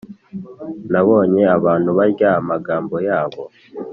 nabonye abantu barya amagambo yabo